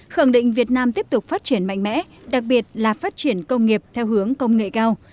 khẳng định việt nam tiếp tục phát triển mạnh mẽ đặc biệt là phát triển công nghiệp theo hướng công nghệ cao